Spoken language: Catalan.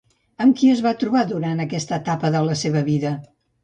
Amb qui es va trobar durant aquesta etapa de la seva vida?